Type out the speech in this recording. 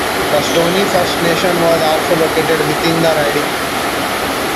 The Stoney First Nation was also located within the riding.